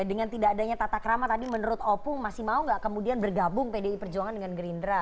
dengan tidak adanya tata kerama tadi menurut opung masih mau gak kemudian bergabung pdip perjuangan dengan gerindra